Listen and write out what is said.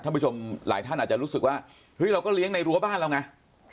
ผู้ชมหลายท่านอาจจะรู้สึกว่าเฮ้ยเราก็เลี้ยงในรั้วบ้านเราไง